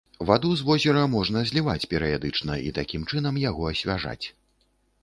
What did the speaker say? Ваду з возера можна зліваць перыядычна і такім чынам яго асвяжаць.